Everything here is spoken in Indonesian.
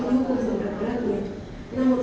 menghubungi seorang rakyat namun